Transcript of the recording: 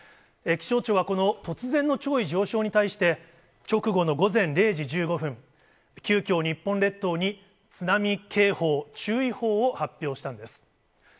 気象庁はこの突然の潮位上昇に対して、直後の０時１５分、急きょ、日本列島に津波警報、注意報を発表したんです。